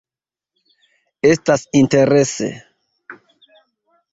Estas interese.